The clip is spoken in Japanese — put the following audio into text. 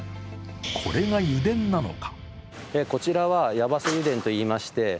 これが油田なのか？